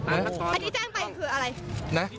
อันนี้แจ้งไปคืออะไรนะ